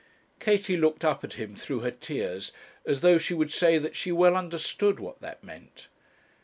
Katie looked up at him through her tears, as though she would say that she well understood what that meant.